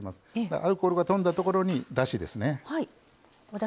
アルコールがとんだところにだしですね。